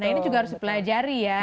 nah ini juga harus dipelajari ya